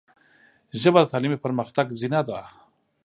ژبه د تعلیمي پرمختګ زینه ده